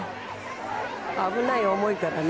危ない、重いからね。